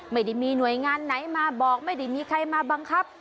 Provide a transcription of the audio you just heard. ไม่ได้มีหน่วยงานไหนมาบอกไม่ได้มีใครมาบังคับ